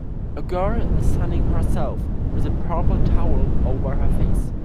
A girl is sunning herself with a purple towel over her face.